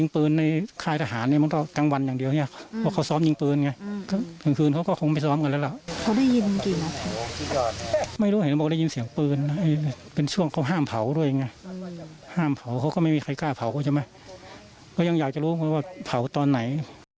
พราวกูใช่ไหมก็ยังอยากจะรู้ว่าพเพราตอนไหน